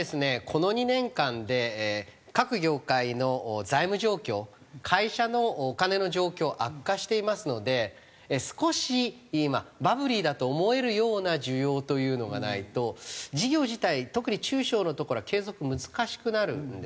この２年間で各業界の財務状況会社のお金の状況悪化していますので少し今バブリーだと思えるような需要というのがないと事業自体特に中小のところは継続難しくなるんですね。